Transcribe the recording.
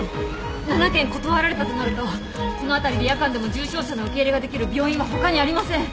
７軒断られたとなるとこの辺りで夜間でも重傷者の受け入れができる病院は他にありません。